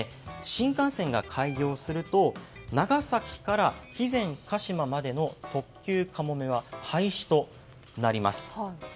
新幹線が開業すると長崎から肥前鹿島までの特急「かもめ」は廃止となります。